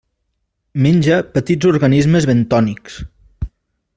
Menja petits organismes bentònics.